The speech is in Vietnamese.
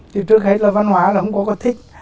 chứ trước hết là văn hóa là không có thích